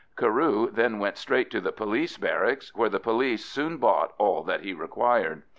Carew then went straight to the police barracks, where the police soon bought all that he required.